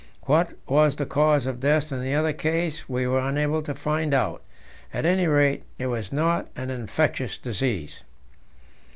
What was the cause of death in the other case we were unable to find out; at any rate, it was not an infectious disease.